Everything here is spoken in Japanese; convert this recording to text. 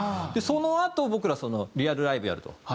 そのあと僕らリアルライブやると。